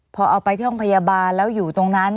พอเอาไปที่ห้องพยาบาลแล้วอยู่ตรงนั้น